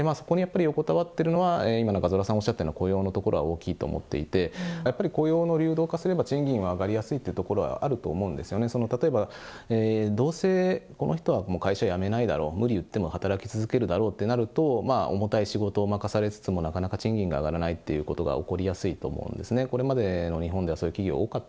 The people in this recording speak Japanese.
そこにやっぱり、横たわっているのは今、中空さんおっしゃったように、雇用のところは大きいと思っていて、やっぱり雇用の流動化すれば賃金が上がりやすいというところはあると思うんですね、例えば、どうせ、この人はもう会社辞めないだろう、無理言っても働き続けるだろうってなると、重たい仕事を任されつつも、なかなか賃金が上がらないということが起こりやすいと思うんですね。